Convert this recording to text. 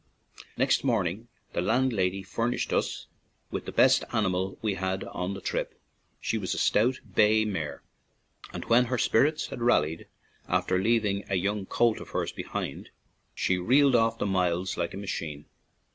Next morning the landlady furnished us with the best animal we had on the trip. She was a stout, bay mare, and when her spirits had rallied after leaving a young colt of hers behind, she reeled off the miles like a machine.